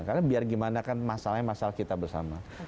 karena biar gimana kan masalahnya masalah kita bersama